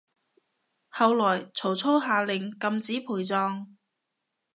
後來曹操下令禁止陪葬